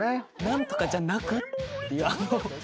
「何とかじゃなく」っていう。